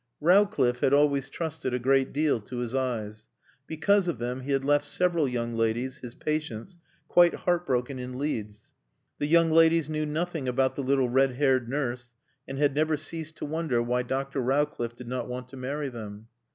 Rowcliffe had always trusted a great deal to his eyes. Because of them he had left several young ladies, his patients, quite heart broken in Leeds. The young ladies knew nothing about the little red haired nurse and had never ceased to wonder why Dr. Rowcliffe did not want to marry them.